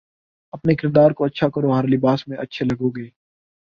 اپنے کردار کو اچھا کرو ہر لباس میں اچھے لگو گے